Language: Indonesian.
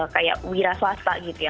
kayak wiras waspah gitu ya